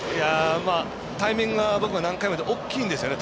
タイミングは僕は何回も言いますが大きいんですね。